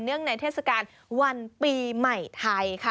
เนื่องในเทศกาลวันปีใหม่ไทยค่ะ